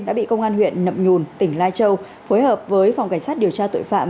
đã bị công an huyện nậm nhùn tỉnh lai châu phối hợp với phòng cảnh sát điều tra tội phạm